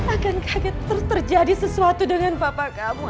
akan kaget terus terjadi sesuatu dengan papa kamu